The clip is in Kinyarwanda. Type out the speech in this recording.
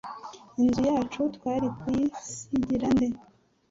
Inzu yacu twari kuyisigira nde